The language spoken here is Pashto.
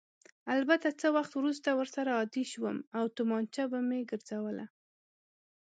البته څه وخت وروسته ورسره عادي شوم او تومانچه به مې ګرځوله.